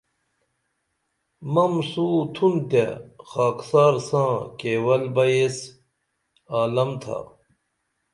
مم سو تُھن تے خاکسار ساں کیول بئی ایس عالم تھا